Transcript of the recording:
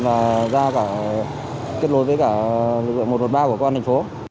và ra cả kết lối với các tiệm vàng